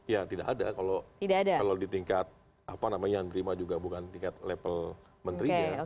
ya tidak ada kalau di tingkat apa namanya yang diterima juga bukan tingkat level menterinya